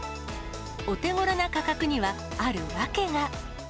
お手ごろな価格にはある訳が。